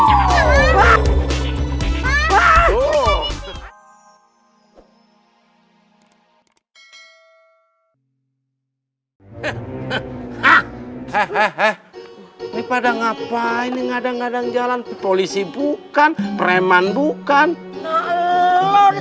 hai hehehe hehehe hai pada ngapain ngadang ngadang jalan polisi bukan preman bukan naluri